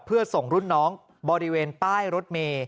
เพื่อส่งรุ่นน้องบริเวณป้ายรถเมย์